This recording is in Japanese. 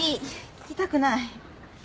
聞きたくない。